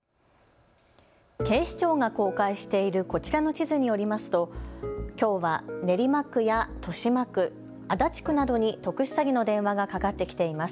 警視庁が公開しているこちらの地図によりますときょうは練馬区や豊島区、足立区などに特殊詐欺の電話がかかってきています。